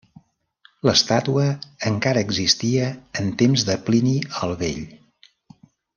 L'estàtua encara existia en temps de Plini el Vell.